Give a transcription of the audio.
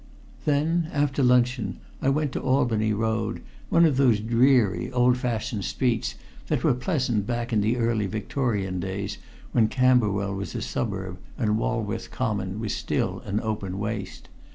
Then, after luncheon, I went to Albany Road, one of those dreary, old fashioned streets that were pleasant back in the early Victorian days when Camberwell was a suburb and Walworth Common was still an open waste.